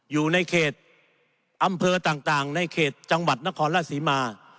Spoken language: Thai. อยู่ในเขตอำเภอต่างในเขตจังหวัดนครราชศรีมา